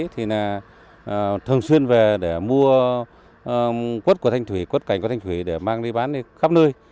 thì là thường xuyên về để mua quất của thanh thủy quất cảnh qua thanh thủy để mang đi bán đi khắp nơi